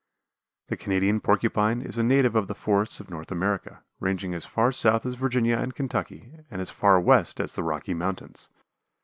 The Canadian Porcupine is a native of the forests of North America, ranging as far south as Virginia and Kentucky and as far west as the Rocky Mountains.